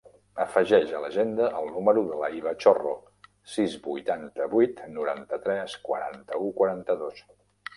Afegeix a l'agenda el número de la Hiba Chorro: sis, vuitanta-vuit, noranta-tres, quaranta-u, quaranta-dos.